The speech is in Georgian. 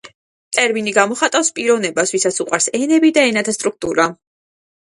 ტერმინი გამოხატავს პიროვნებას ვისაც უყვარს ენები და ენათა სტრუქტურა.